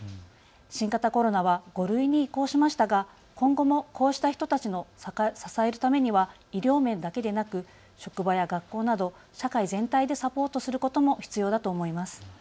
新型コロナは５類に移行しましたが今後もこうした人たちを支えるためには医療面だけではなく職場や学校など社会全体でサポートすることも必要だと思います。